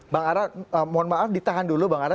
bang ara mohon maaf ditahan dulu bang ara